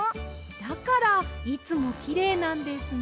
だからいつもきれいなんですね。